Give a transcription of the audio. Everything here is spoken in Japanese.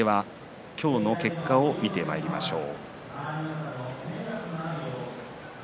今日の結果を見てまいりましょう。